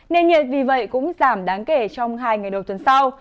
nền nhiệt vì vậy cũng giảm đáng kể trong hai ngày đầu tuần sau